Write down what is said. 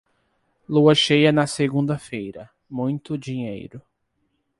Lua cheia na segunda-feira, muito dinheiro.